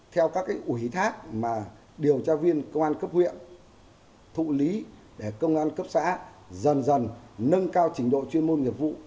theo các ủy thác mà điều tra viên công an cấp huyện thụ lý để công an cấp xã dần dần nâng cao trình độ chuyên môn nghiệp vụ